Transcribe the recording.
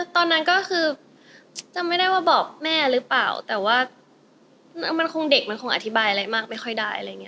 ตอนนั้นก็คือจำไม่ได้ว่าบอกแม่หรือเปล่าแต่ว่ามันคงเด็กมันคงอธิบายอะไรมากไม่ค่อยได้อะไรอย่างนี้